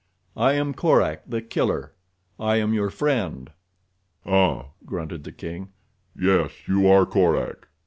I am Korak, The Killer. I am your friend." "Huh," grunted the king. "Yes, you are Korak.